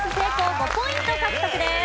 ５ポイント獲得です。